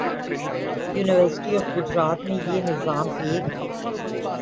university of Gujarat میں یہ نظام ایک